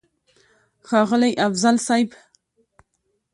ښاغلی افضل صيب!!